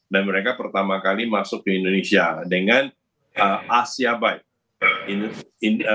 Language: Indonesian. mereka pertama kali masuk ke indonesia dengan asia buy